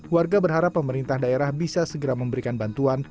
warga berharap pemerintah daerah bisa segera memberikan bantuan